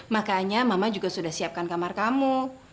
makanya mama juga sudah siapkan kamar kamu